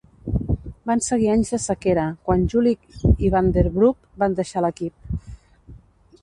Van seguir anys de sequera quan Julich i Vandenbroucke van deixar l'equip.